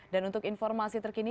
dan untuk informasi terkini